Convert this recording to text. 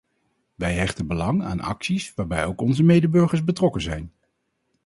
Wij hechten belang aan acties waarbij ook onze medeburgers betrokken zijn.